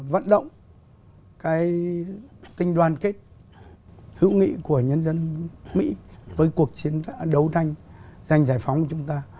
vẫn động cái tình đoàn kết hữu nghị của nhân dân mỹ với cuộc chiến đấu tranh dành giải phóng của chúng ta